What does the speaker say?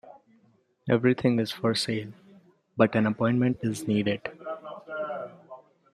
Everything is for sale, but an appointment is needed.